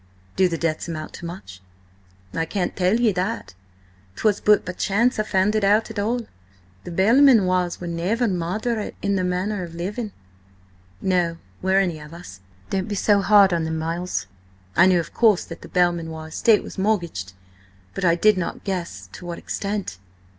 "Do the debts amount to much?" "I can't tell ye that. 'Twas but by chance I found it out at all. The Belmanoirs were never moderate in their manner of living." "Nor were any of us. Don't be so hard on them, Miles! ... I knew, of course, that the Belmanoir estate was mortgaged, but I did not guess to what extent."